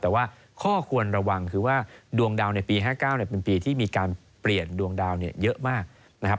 แต่ว่าข้อควรระวังคือว่าดวงดาวในปี๕๙เป็นปีที่มีการเปลี่ยนดวงดาวเยอะมากนะครับ